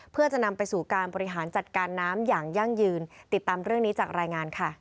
เพื่อจะนำไปสู่การบริหารจัดการน้ำอย่างยั่งยืน